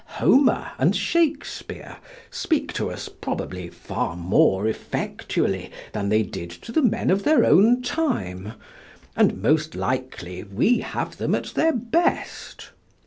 Homer and Shakespeare speak to us probably far more effectually than they did to the men of their own time, and most likely we have them at their best.